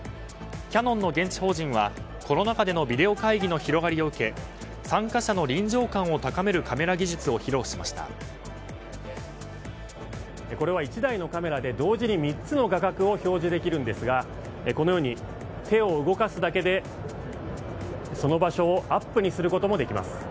キヤノンの現地法人はコロナ禍でのビデオ会議の広がりを受け、参加者の臨場感を高めるカメラ技術をこれは１台のカメラで同時に３つの画角を表示できるんですがこのように、手を動かすだけでその場所をアップにすることもできます。